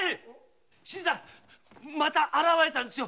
新さんまた現れたんですよ